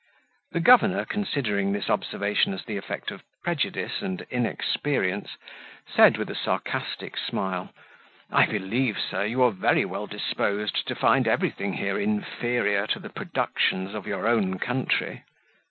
The governor, considering this observation as the effect of prejudice and inexperience, said, with a sarcastic smile, "I believe, sir, you are very well disposed to find everything here inferior to the productions of your own country."